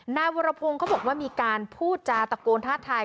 นายวรพงศ์เขาบอกว่ามีการพูดจาตะโกนท่าทาย